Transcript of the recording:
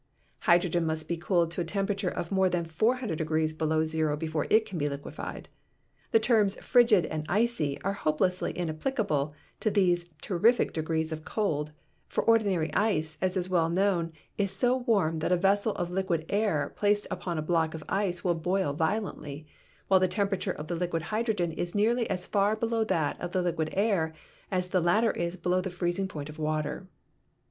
Hydrogen must be cooled to a temperature of more than 400 below zero before it can be liquefied. The terms "frigid" and "icy" are hopelessly inapplicable to these terrific degrees of cold, for ordinary ice, as is well known, is so warm that a vessel of liquid air placed upon a block of ice will boil violently, while the temperature of liquid hydrogen is nearly as far below that of liquid air as the latter is below the freezing point of water.